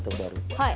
はい。